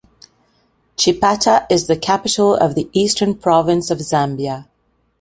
Chipata is the capital of the Eastern Province of Zambia.